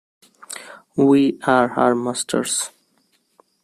We are her masters!